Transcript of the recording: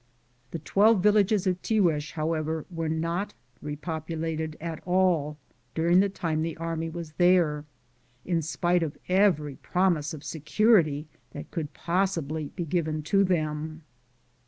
The twelve villages of Tiguex, however, were not repopulated at all during the time the army was there, in spite of every promise of security that could possibly be given to them.